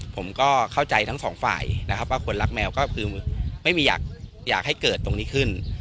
ผมก็เข้าใจทั้งสองฝ่ายนะครับว่าคนรักแมวก็คือไม่มีอยากให้เกิดตรงนี้ขึ้น